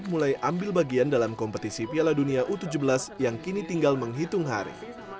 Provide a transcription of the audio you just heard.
mulai ambil bagian dalam kompetisi piala dunia u tujuh belas yang kini tinggal menghitung hari